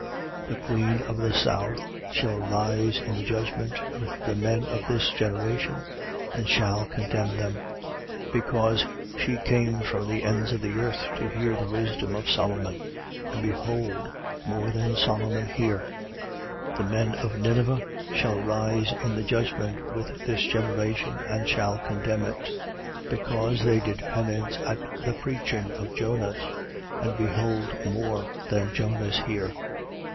11:31. The queen of the south shall rise in the judgment with the men of this generation and shall condemn them: because she came from the ends of the earth to hear the wisdom of Solomon. And behold more than Solomon here. 11:32. The men of Ninive shall rise in the judgment with this generation and shall condemn it; Because they did penance at the preaching of Jonas. And behold more than Jonas here.